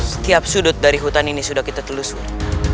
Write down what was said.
setiap sudut dari hutan ini sudah kita telusur